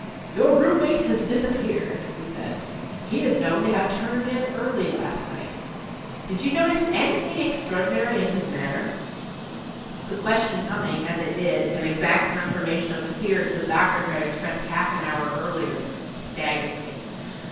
"Your room mate has disappeared,"[Pg 30] he said. "He is known to have turned in early last night. Did you notice anything extraordinary in his manner?" The question coming, as it did, in exact confirmation of the fears the doctor had expressed half an hour earlier, staggered me.